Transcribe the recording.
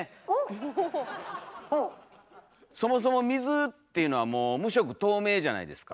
そもそも水っていうのは無色透明じゃないですか。